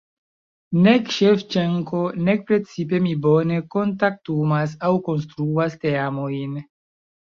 Nek Ŝevĉenko nek precipe mi bone kontaktumas aŭ konstruas teamojn.